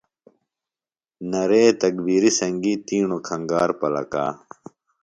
نعرے تکبیرِ سنگیۡ تیݨوۡ کھنگار پلکا۔